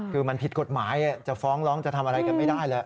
คือมันผิดกฎหมายจะฟ้องร้องจะทำอะไรกันไม่ได้แหละ